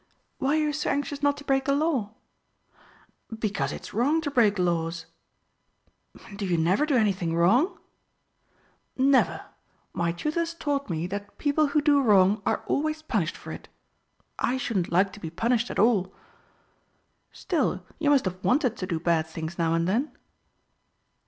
"Why are you so anxious not to break the law?" "Because it's wrong to break laws." "And do you never do anything wrong?" "Never. My tutors taught me that people who do wrong are always punished for it. I shouldn't like to be punished at all." "Still, you must have wanted to do bad things now and then."